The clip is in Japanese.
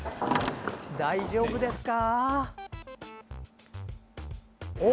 大丈夫ですか？